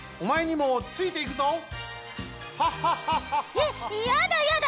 えっやだやだ！